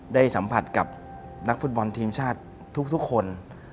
ได้สัมผัสกับนักฟุตบอลทีมชาติทุกคน